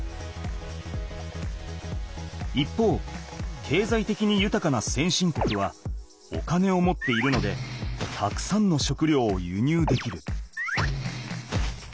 一方けいざいてきにゆたかな先進国はお金を持っているのでたくさんの食料を輸入できる。